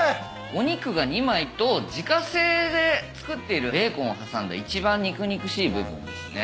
お肉が２枚と自家製で作っているベーコンを挟んだ一番肉々しい部分ですね。